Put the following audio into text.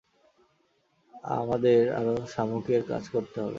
আমাদের আরো শামুকের কাজ করতে হবে।